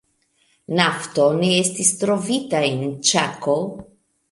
Nafto ne estis trovita en Ĉako.